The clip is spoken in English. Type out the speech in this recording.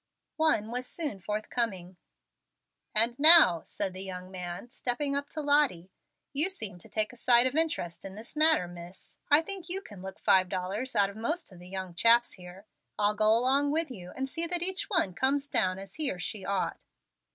One was soon forthcoming. "And now," said the young man, stepping up to Lottie, "you seem to take a sight of interest in this matter, miss. I think you can look five dollars out of most of the young chaps here. I'll go around with you, and see that each one comes down as he or she ought.